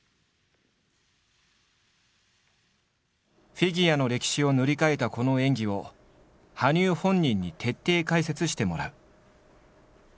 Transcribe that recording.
フィギュアの歴史を塗り替えたこの演技を羽生本人に徹底解説してもらう。